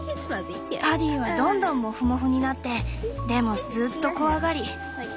パディはどんどんモフモフになってでもずっと怖がり。